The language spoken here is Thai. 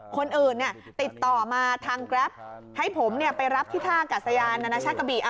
คนอื่นติดต่อมาทางแกรปให้ผมไปรับที่ท่ากัศยานนานาชาติกะบี่